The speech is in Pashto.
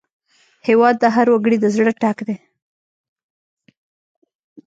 هېواد د هر وګړي د زړه ټک دی.